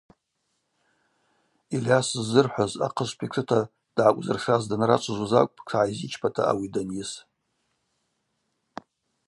Ильйас ззырхӏваз ахъышв питшыта дгӏакӏвзыршаз данрачважвуз акӏвпӏ, тшгӏайзичпата ауи данйыс.